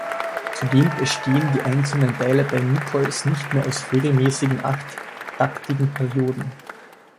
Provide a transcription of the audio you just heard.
Zudem bestehen die einzelnen Teile bei Nichols nicht mehr aus regelmäßigen achttaktigen Perioden.